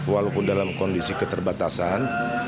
walaupun dalam kondisi keterbatasan